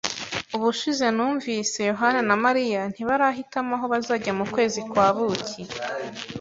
Ubushize numvise, Yohana na Mariya ntibarahitamo aho bazajya mu kwezi kwa buki.